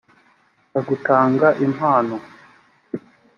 agutanga impono.